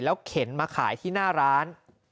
เข็นมาขายที่หน้าร้าน